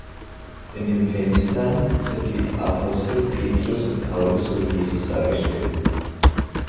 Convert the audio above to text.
In den Fenstern sind die Apostel Petrus und Paulus sowie Jesus dargestellt.